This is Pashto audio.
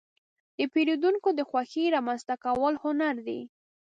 د پیرودونکو د خوښې رامنځته کول هنر دی.